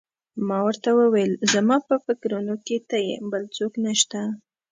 ما ورته وویل: زما په فکرونو کې ته یې، بل څوک نه شته.